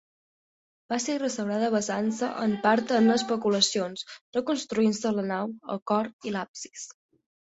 Va ser restaurada basant-se en part en especulacions, reconstruint-se la nau, el cor i l'absis.